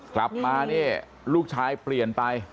กลับมาเนี่ยลูกชายเปลี่ยนไป